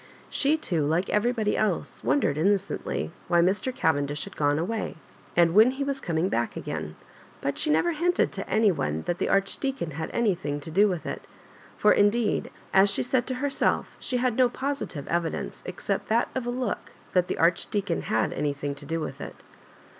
She too, like everybody else, wondered innocently why Mr. Cavendish had gone away, and when he was coming back ags^^n ; but she never hinted to any one that the Archdeacon had anything to do with it; for indeed, as she said to herself, she had no positive evidence exeept that of a look that the Archdeacon had anything to do with it.